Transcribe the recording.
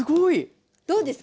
どうですか？